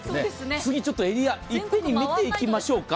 次、ちょっとエリアいっぺんに見ていきましょうか。